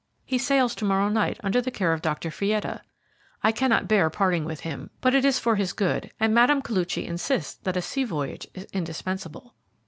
He sails to morrow night under the care of Dr. Fietta. I cannot bear parting with him, but it is for his good, and Mme. Koluchy insists that a sea voyage is indispensable."